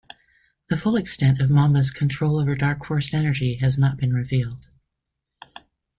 The full extent of Mamba's control over Darkforce energy has not been revealed.